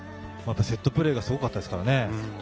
セットプレーがすごかったですからね。